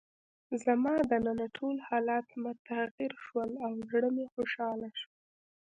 زما دننه ټول حالات متغیر شول او زړه مې خوشحاله شو.